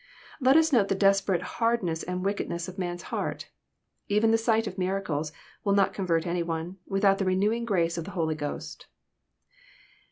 Let as note the desperate hardness and wickedness of man's heart. Even the sight of miracles will not convert any one, without the renewing grace of the Holy Ghost.